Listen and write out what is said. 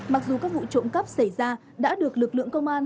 mặc dù các vụ trộm cắp xảy ra đã được lực lượng công an